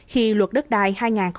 khi luật đất đai hai nghìn hai mươi ba